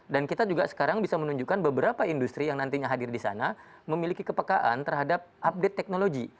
dan kita juga sekarang bisa menunjukkan beberapa industri yang nantinya hadir di sana memiliki kepekaan terhadap update teknologi